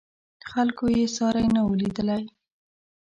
خلکو یې ساری نه و لیدلی.